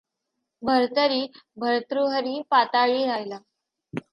भर्तरी भर्तृहरि पाताळीं राहिला.